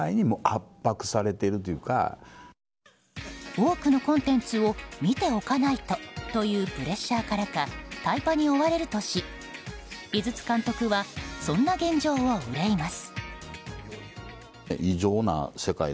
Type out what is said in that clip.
多くのコンテンツを見ておかないとというプレッシャーからかタイパに追われるとし井筒監督はそんな現状を憂います。